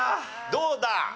どうだ？